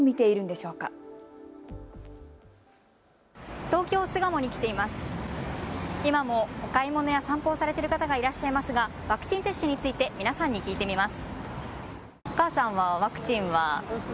今もお買い物や散歩をされている方がいらっしゃいますがワクチン接種について皆さんに聞いてみます。